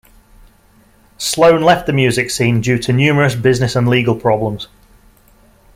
Sloan left the music scene due to numerous business and legal problems.